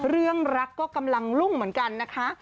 เรื่องรักก็กำลังรุ่งเหมือนกันนะคะ